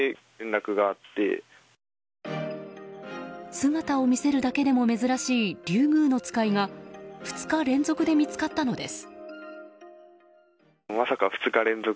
姿を見せるだけでも珍しいリュウグウノツカイが２日連続で見つかったのです。